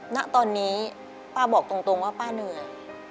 ณตอนนี้ป้าบอกตรงว่าป้าเหนื่อย